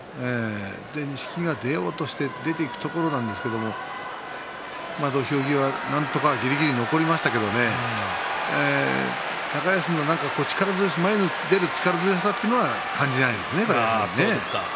錦木が出ようと出ていくところなんですけれども土俵際、ぎりぎり残りましたけれど高安の前に出る力強さというのは感じられません。